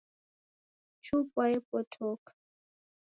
Chupwa yepotoka